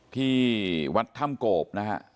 ที่วัดถ้ำโกบนะครับ